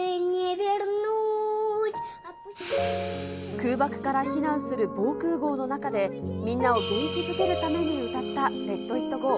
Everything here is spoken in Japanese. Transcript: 空爆から避難する防空ごうの中で、みんなを元気づけるために歌ったレットイットゴー。